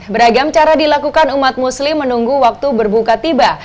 beragam cara dilakukan umat muslim menunggu waktu berbuka tiba